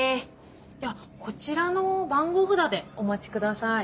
ではこちらの番号札でお待ち下さい。